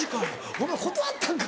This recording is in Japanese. お前断ったんか？